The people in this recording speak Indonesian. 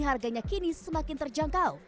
harganya kini semakin terjangkau